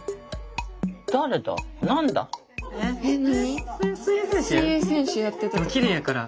えっ何？